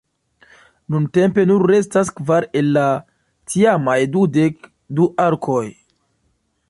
Nuntempe nur restas kvar el la tiamaj dudek du arkoj.